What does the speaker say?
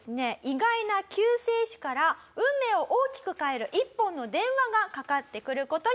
意外な救世主から運命を大きく変える１本の電話がかかってくる事になります。